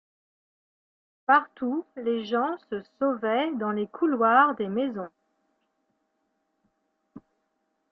Partout les gens se sauvaient dans les couloirs des maisons.